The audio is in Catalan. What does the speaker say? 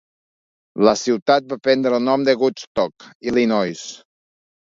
La ciutat va prendre el nom de Woodstock, Illinois.